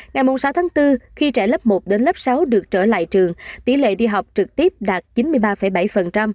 ngày sáu tháng bốn khi trẻ lớp một đến lớp sáu được trở lại trường tỷ lệ đi học trực tiếp đạt chín mươi ba bảy